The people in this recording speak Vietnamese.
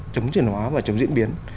chống chuyển hóa và chống diễn biến